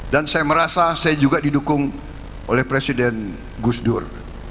dan saya merasa saya juga didukung oleh presiden gus dur